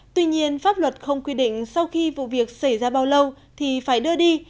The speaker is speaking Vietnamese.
tuy nhiên pháp luật không quy định sau khi vụ việc xảy ra bao lâu thì phải đưa đi